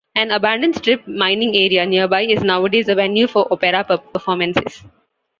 An abandoned strip mining area nearby is nowadays a venue for opera performances.